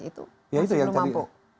itu belum mampu